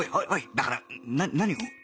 だから何を？